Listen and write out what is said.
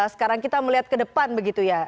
sekarang kita melihat ke depan begitu ya